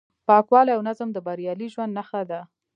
پاکوالی او نظم د بریالي ژوند نښه ده.